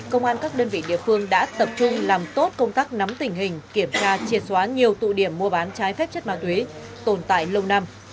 công an các đơn vị địa phương đã tập trung làm tốt công tác nắm tình hình kiểm tra triệt xóa nhiều tụ điểm mua bán trái phép chất ma túy tồn tại lâu năm